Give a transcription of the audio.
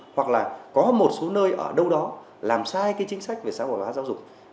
hoặc là có một số nơi ở đâu đó làm sai cái chính sách về xã hội hóa giáo dục